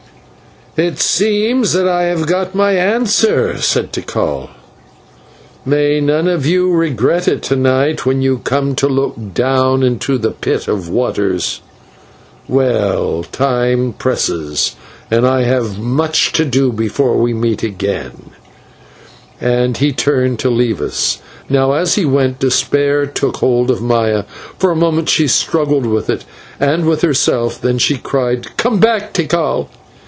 "It seems that I have got my answer," said Tikal. "May none of you regret it to night when you come to look down into the Pit of Waters. Well, time presses, and I have much to do before we meet again" and he turned to leave us. Now, as he went, despair took hold of Maya. For a moment she struggled with it and with herself, then she cried: "Come back, Tikal!"